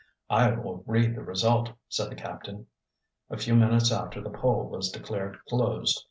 "I will read the result," said the captain, a few minutes after the poll was declared closed.